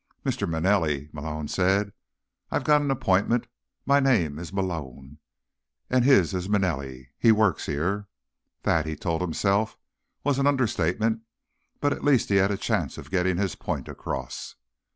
"Mr. Manelli," Malone said. "I've got an appointment. My name is Malone and his is Manelli. He works here." That, he told himself, was an understatement; but at least he had a chance of getting his point across.